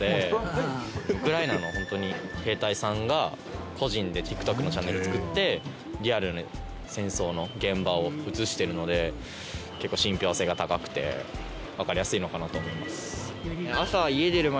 ウクライナのホントに兵隊さんが個人でＴｉｋＴｏｋのチャンネルを作ってリアルに戦争の現場を映してるので結構信憑性が高くてわかりやすいのかなと思います。